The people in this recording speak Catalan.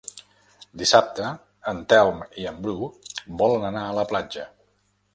Dissabte en Telm i en Bru volen anar a la platja.